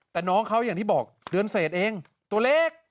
แต่น้องเขาอย่างที่บอกเดือนเศษเองตัวเล็ก